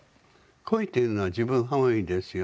恋というのは自分本位ですよ。